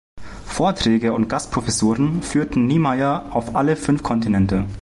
Vorträge und Gastprofessuren führten Niemeier auf alle fünf Kontinente.